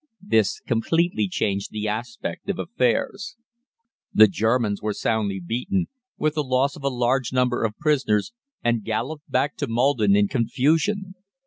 This completely changed the aspect of affairs. The Germans were soundly beaten, with the loss of a large number of prisoners, and galloped back to Maldon in confusion.